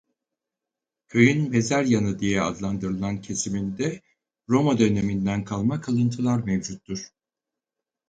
Köyün mezar yanı diye adlandırılan kesiminde Roma Dönemi'nden kalma kalıntılar mevcuttur.